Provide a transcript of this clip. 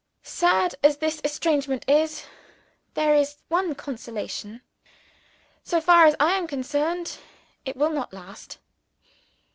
Sad as this estrangement is, there is one consolation so far as I am concerned, it will not last.